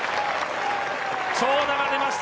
長打が出ました！